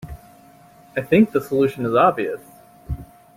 I think the solution is obvious.